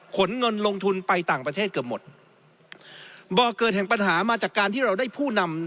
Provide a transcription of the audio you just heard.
ขนเงินลงทุนไปต่างประเทศเกือบหมดบ่อเกิดแห่งปัญหามาจากการที่เราได้ผู้นำ